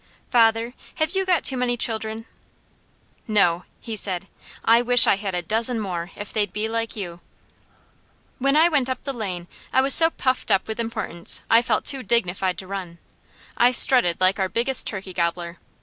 "Father, have you got too many children?" "No!" he said. "I wish I had a dozen more, if they'd be like you." When I went up the lane I was so puffed up with importance I felt too dignified to run. I strutted like our biggest turkey gobbler.